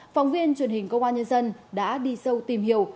phóng viên truyền hình công an nhân dân đã đi sâu tìm hiểu